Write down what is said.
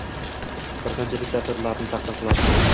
Bir qancha diktatorlarni taxtdan qulatdim"